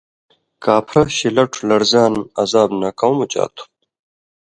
کاپھرہ شِلَٹوۡ لڑزان (عذاب) نہ کؤں مُچا تُھو؟